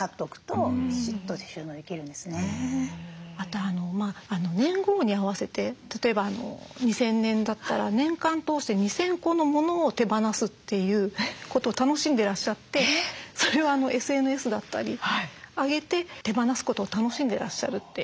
あと年号に合わせて例えば２０００年だったら年間通して２，０００個の物を手放すということを楽しんでいらっしゃってそれをＳＮＳだったり上げて手放すことを楽しんでいらっしゃるっていう。